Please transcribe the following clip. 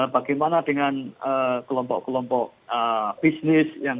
bagaimana dengan kelompok kelompok bisnis